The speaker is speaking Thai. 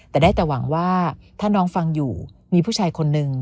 แต่ได้แต่หวังว่าถ้าน้องฟังอยู่มีผู้ชายคนนึง